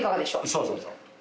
そうそうそう。